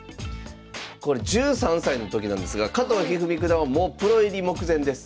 これ１３歳のときなんですが加藤一二三九段はもうプロ入り目前です。